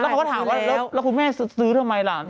เขาก็ถามว่าแล้วคุณแม่ซื้อทำไมล่ะ